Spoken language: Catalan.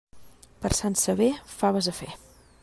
Per Sant Sever, faves a fer.